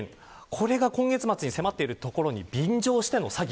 これが今月末に迫っているところに便乗しての詐欺。